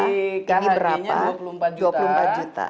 yang di khg nya dua puluh empat juta